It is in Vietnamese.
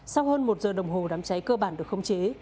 sau hơn một giờ đồng hồ đám cháy cơ bản được không chế